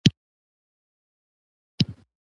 مأخذ لري هم نه.